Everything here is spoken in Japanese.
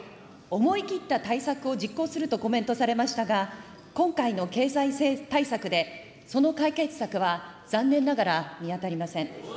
思い切った対策を実行するとコメントされましたが、今回の経済対策で、その解決策は残念ながら見当たりません。